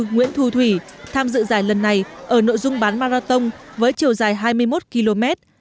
nguyễn thu thủy tham dự giải lần này ở nội dung bán marathon với chiều dài hai mươi một km